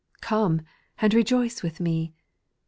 2. Come and rejoice with me !